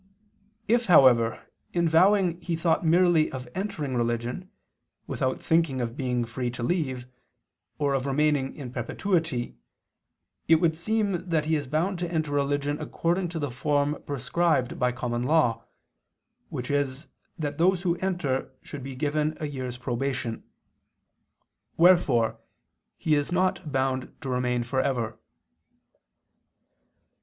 If, however, in vowing he thought merely of entering religion, without thinking of being free to leave, or of remaining in perpetuity, it would seem that he is bound to enter religion according to the form prescribed by common law, which is that those who enter should be given a year's probation. Wherefore he is not bound to remain for ever.